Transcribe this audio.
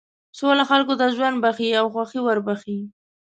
سوله خلکو ته ژوند بښي او خوښي وربښي.